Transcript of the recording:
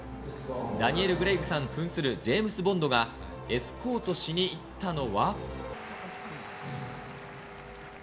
ダニエル・クレイグさんふんするジェームス・ボンドがエスコートしに行ったのは。